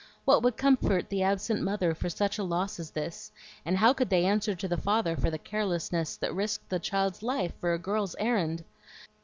What would comfort the absent mother for such a loss as this, and how could they answer to the father for the carelessness that risked the child's life for a girl's errand?